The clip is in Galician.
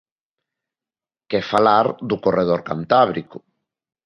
Que falar do corredor cantábrico?